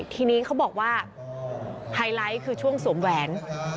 ทีนี้เขาบอกว่าไฮไลท์คือช่วงสวมแหวน